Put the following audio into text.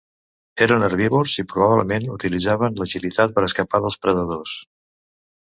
Eren herbívors i probablement utilitzaven l'agilitat per a escapar dels predadors.